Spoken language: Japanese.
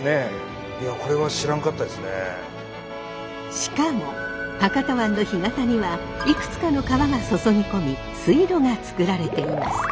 しかも博多湾の干潟にはいくつかの川が注ぎ込み水路がつくられています。